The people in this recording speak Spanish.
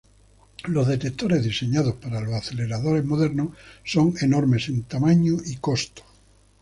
Los detectores diseñados para los aceleradores modernos son enormes en tamaño y costo.